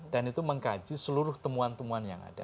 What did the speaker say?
dan itu mengkaji seluruh temuan temuan yang ada